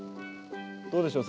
どうでしょう？